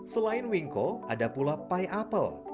selain wingko ada pula pie apple